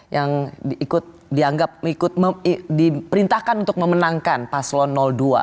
yang ikut dianggap diperintahkan untuk memenangkan paslon dua